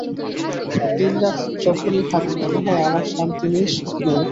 দিনরাত যখনই ভাবি, মনে হয়, আমার শান্তি নেই, সুখ নেই।